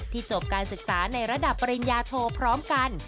จบการศึกษาในระดับปริญญาโทพร้อมกัน